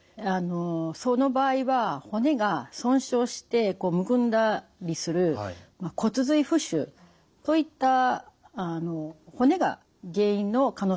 その場合は骨が損傷してむくんだりする骨髄浮腫といった骨が原因の可能性もあります。